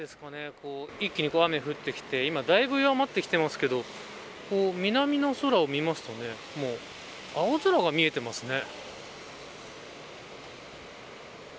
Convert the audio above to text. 一気に雨降ってきて今だいぶ弱まってきてますけど南の空を見ますと青空が見えてますね。